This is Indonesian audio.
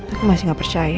aku masih gak percaya